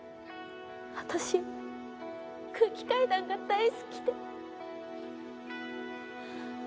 私空気階段が大好きで。